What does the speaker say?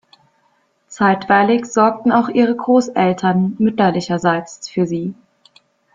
Zeitweilig sorgten auch ihre Großeltern mütterlicherseits für sie.